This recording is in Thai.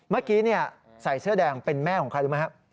เมื่อกี้ใส่เสื้อแดงเป็นแม่ของใครรู้ไหมครับ